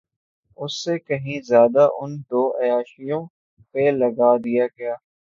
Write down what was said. اس سے کہیں زیادہ ان دو عیاشیوں پہ لگا دیا گیا۔